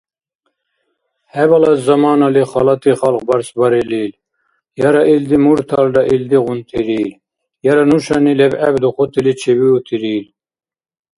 ХӀебалас заманали халати халкь барсбарилил, яра илди мурталра илдигъунтирил, яра нушани лебгӀеб духутили чебиутирил.